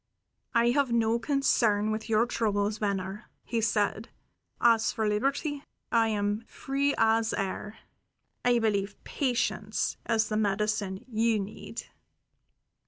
"I have no concern with your troubles, Venner," he said. "As for liberty, I am free as air. I believe patience is the medicine you need."